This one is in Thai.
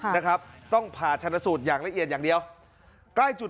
นะครับต้องผ่าชนสูตรอย่างละเอียดอย่างเดียวใกล้จุด